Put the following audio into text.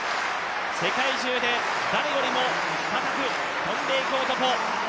世界中で誰よりも高く跳んでいく男。